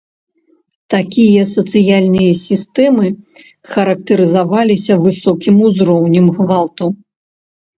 Такія сацыяльныя сістэмы характарызаваліся высокім узроўнем гвалту.